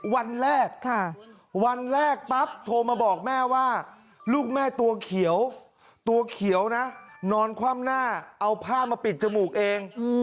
วันแรกปั๊บโทรมาบอกแม่ว่าลูกแม่ตัวเขียวนอนคว่ำหน้าเอาผ้ามาปิดจมูกเอง